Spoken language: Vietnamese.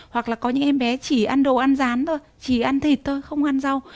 hoặc là có những em bé chỉ ăn đồ ăn rán thôi chỉ ăn thịt thôi không ăn rau